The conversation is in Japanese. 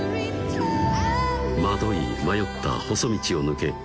惑い迷った細道を抜け